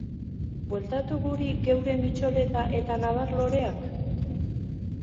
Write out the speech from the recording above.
Bueltatu guri geure mitxoleta eta nabar-loreak?